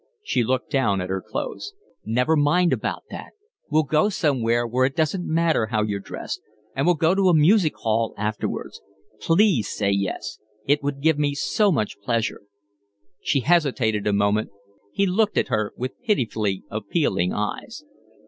She looked down at her clothes. "Never mind about that. We'll go somewhere where it doesn't matter how you're dressed. And we'll go to a music hall afterwards. Please say yes. It would give me so much pleasure." She hesitated a moment; he looked at her with pitifully appealing eyes.